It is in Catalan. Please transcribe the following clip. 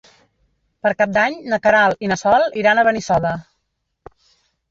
Per Cap d'Any na Queralt i na Sol iran a Benissoda.